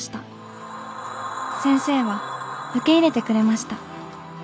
先生は受け入れてくれました。